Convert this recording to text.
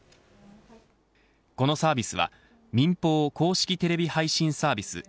このサービスは民放公式テレビ配信サービス